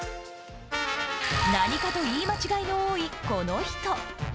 何かといい間違いの多いこの人。